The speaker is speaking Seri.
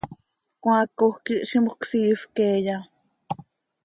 ¿Cmaacoj quih zímjöc siifp queeya?